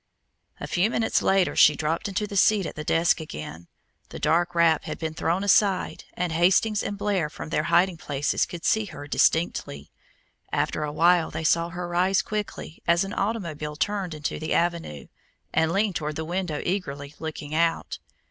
A few minutes later she dropped into the seat at the desk again. The dark wrap had been thrown aside and Hastings and Blair from their hiding places could see her distinctly. After a while they saw her rise quickly, as an automobile turned into the avenue, and lean toward the window eagerly looking out.